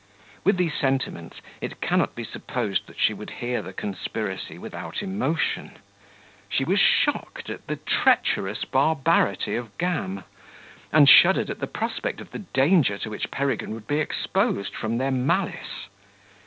With these sentiments it cannot be supposed that she would hear the conspiracy without emotion. She was shocked at the treacherous barbarity of Gam, and shuddered at the prospect of the danger to which Peregrine would be exposed from their malice.